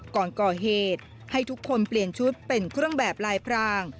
ก่อนก่อเหตุให้ทุกคนเปลี่ยนชุดเป็นเครื่องแบบลายพราง